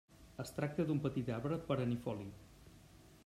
Es tracta d'un petit arbre perennifoli.